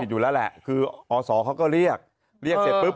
อยู่แล้วแหละคืออศเขาก็เรียกเรียกเสร็จปุ๊บ